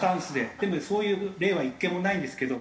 でもそういう例は１件もないんですけど。